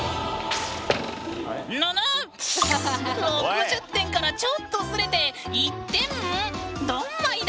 ぬぬ⁉６０点からちょっとズレて１点？